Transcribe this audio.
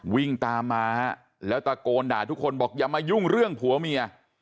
วิ่งตามมาฮะแล้วตะโกนด่าทุกคนบอกอย่ามายุ่งเรื่องผัวเมีย